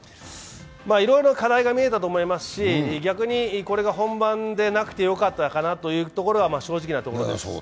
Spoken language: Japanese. いろいろ課題が見えたと思いますし逆に、これが本番でなくてよかったかなというのが正直なところです。